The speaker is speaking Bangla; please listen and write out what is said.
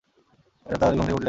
এত তাড়াতাড়ি ঘুম থেকে উঠলে কেন?